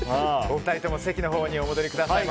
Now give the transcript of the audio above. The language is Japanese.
お二人とも席のほうにお戻りください。